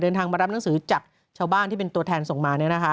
มารับหนังสือจากชาวบ้านที่เป็นตัวแทนส่งมา